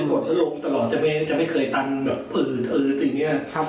กดลงตลอดจะไม่เคยตันแบบอือสิ่งเนี่ย